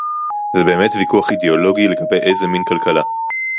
זה באמת ויכוח אידיאולוגי לגבי איזה מין כלכלה